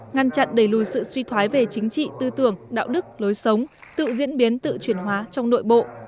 ngăn chặn đẩy lùi sự suy thoái về chính trị tư tưởng đạo đức lối sống tự diễn biến tự chuyển hóa trong nội bộ